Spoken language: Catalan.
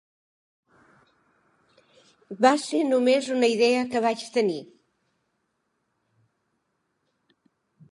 Va ser només una idea que vaig tenir.